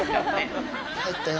入ったよ。